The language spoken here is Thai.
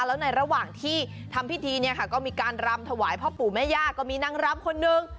แล้วในระหว่างที่ทำพิธีเนี่ยค่ะก็มีการรำถวายพ่อปู่แม่ย่าก็มีนางรำคนหนึ่ง